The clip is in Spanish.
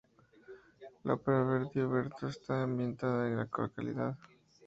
La ópera de Verdi "Oberto" está ambientada en esta localidad.